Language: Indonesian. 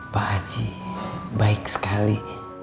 pak aji baik sekali